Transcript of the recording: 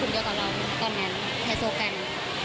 ตอนนั้นแขกโซกั้ม